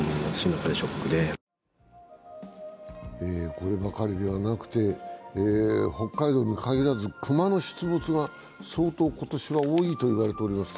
こればかりではなくて、北海道に限らず熊の出没が相当今年は多いといわれています。